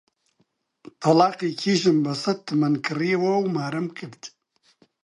تەڵاقی کیژم بە سەد تمەن کڕیەوە و مارەم کرد